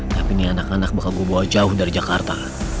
tapi nih anak anak bakal gue bawa jauh dari jakarta